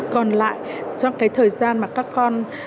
còn lại trong cái thời gian mà các con